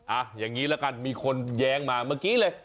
อย่างนี้ละกันมีคนแย้งมาเมื่อกี้เลย